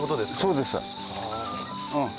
そうです。